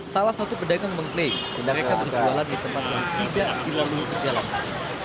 salah satu pedagang mengklaim mereka berjualan di tempat yang tidak dilalui pejalankan